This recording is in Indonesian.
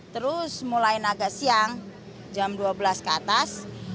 terus mulai naga siang jam dua belas ke atas